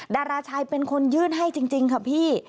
ดาราชายเป็นคนยื่นให้จริงค่ะพี่